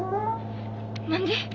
何で？